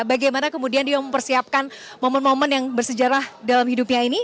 bagaimana kemudian dia mempersiapkan momen momen yang bersejarah dalam hidupnya ini